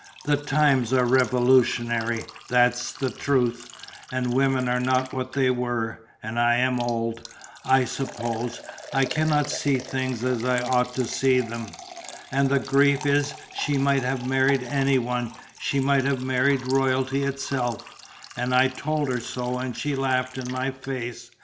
"The times are revolutionary, that's the truth, and women are not what they were, and I am old, I suppose, and cannot see things as I ought to see them and the grief is she might have married any one, she might have married Royalty itself, and I told her so and she laughed in my face.